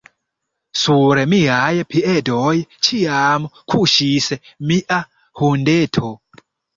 Sur miaj piedoj ĉiam kuŝis mia hundeto.